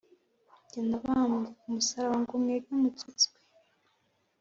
njye nabambwe k’umusaraba ngo mwebwe mukizwe